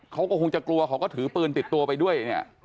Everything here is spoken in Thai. เขาก็คงจะกลัวเขาก็ถือปืนติดตัวไปด้วยเนี่ย